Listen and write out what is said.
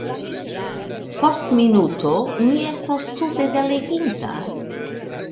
Post minuto mi estos tute degelinta?